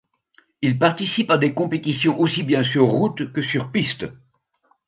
Il participe à des compétitions aussi bien sur route que sur piste.